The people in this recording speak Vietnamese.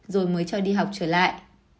rồi mới cho đi học trở lại